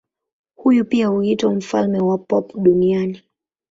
Huyu pia huitwa mfalme wa pop duniani.